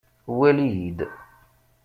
Wali-yi-d.